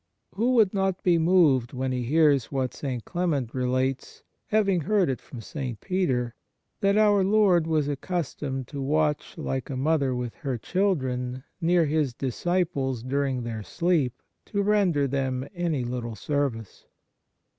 Who would not be moved when he hears what St. Clement relates having heard it from St. Peter that our Lord was accus tomed to watch like a mother with her chil dren near His disciples during their sleep to render them any little service